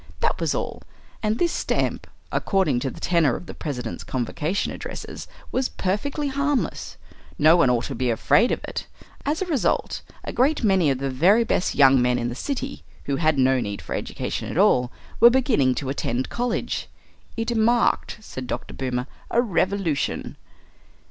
That was all. And this stamp, according to the tenor of the president's convocation addresses, was perfectly harmless. No one ought to be afraid of it. As a result, a great many of the very best young men in the City, who had no need for education at all, were beginning to attend college. "It marked," said Dr. Boomer, "a revolution."